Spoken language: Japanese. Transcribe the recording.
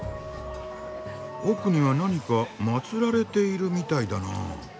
奥には何かまつられているみたいだなあ。